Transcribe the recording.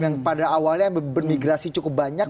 yang pada awalnya bermigrasi cukup banyak